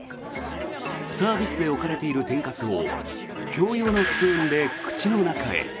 サービスで置かれている天かすを共用のスプーンで口の中へ。